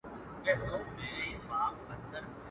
زما له لاسه په عذاب ټول انسانان دي.